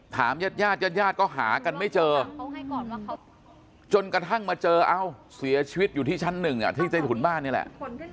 ญาติญาติก็หากันไม่เจอจนกระทั่งมาเจอเอ้าเสียชีวิตอยู่ที่ชั้นหนึ่งที่ใต้ถุนบ้านนี่แหละ